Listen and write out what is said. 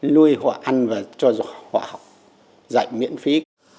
nuôi họ ăn và cho giỏi họ học dạy miễn phí